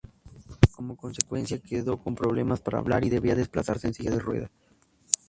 Como consecuencia, quedó con problemas para hablar y debía desplazarse en silla de ruedas.